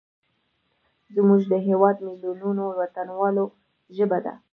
زموږ د هیواد میلیونونو وطنوالو ژبه ده.